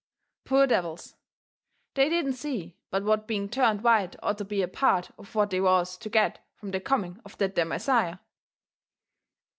Poor devils, they didn't see but what being turned white orter be a part of what they was to get from the coming of that there Messiah.